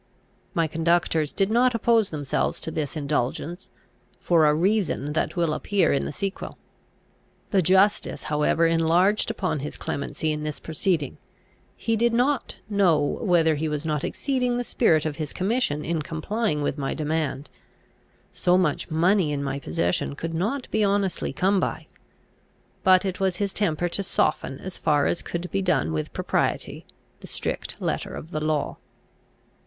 My conductors did not oppose themselves to this indulgence, for a reason that will appear in the sequel. The justice however enlarged upon his clemency in this proceeding. He did not know whether he was not exceeding the spirit of his commission in complying with my demand. So much money in my possession could not be honestly come by. But it was his temper to soften, as far as could be done with propriety, the strict letter of the law.